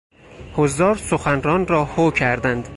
حضار سخنران را هو کردند.